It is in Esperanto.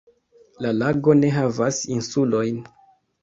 La lago ne havas insulojn.